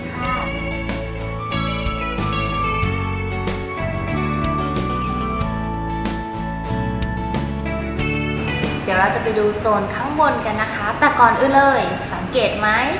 เดี๋ยวเราจะไปดูโซนข้างบนกันนะคะแต่ก่อนอื่นเลยสังเกตไหม